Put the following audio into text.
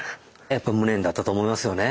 やっぱ無念だったと思いますよね。